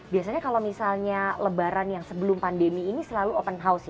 biasanya kalau misalnya lebaran yang sebelum pandemi ini selalu open house ya